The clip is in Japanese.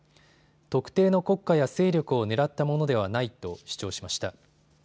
特定の国家や勢力を狙ったものではないと主張しました。